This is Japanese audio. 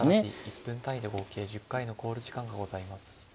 １分単位で合計１０回の考慮時間がございます。